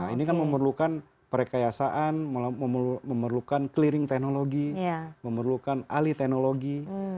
ini kan memerlukan perkayasaan memerlukan clearing teknologi memerlukan ahli teknologi